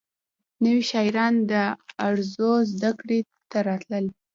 نوي شاعران د عروضو زدکړې ته راتلل.